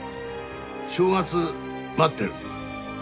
正月待ってる。